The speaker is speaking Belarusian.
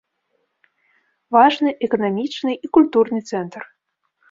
Важны эканамічны і культурны цэнтр.